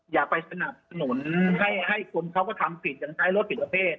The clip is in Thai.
อย่าไปสนับสนุนให้คนเขาก็ทำผิดอย่างใช้รถผิดประเภท